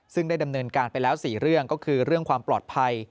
ซึ่งได้ดำเนินการไปแล้ว๔เรื่องก็คือเรื่องความปลอดภัย